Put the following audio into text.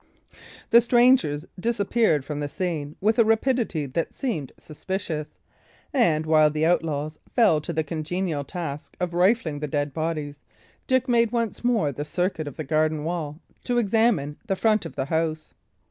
The strangers disappeared from the scene with a rapidity that seemed suspicious; and, while the outlaws fell to the congenial task of rifling the dead bodies, Dick made once more the circuit of the garden wall to examine the front of the house.